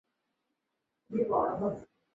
樊子鹄被加仪同三司。